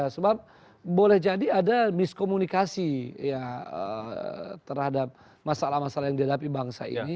sebab boleh jadi ada miskomunikasi terhadap masalah masalah yang dihadapi bangsa ini